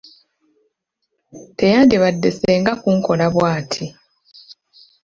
Teyandibadde ssenga kunkola bw'atti.